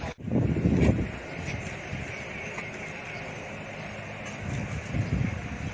ถ้าไม่ได้ขออนุญาตมันคือจะมีโทษ